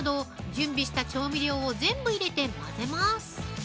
準備した調味料を全部入れて混ぜます。